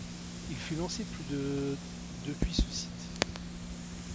Il fut lancé plus de depuis ce site.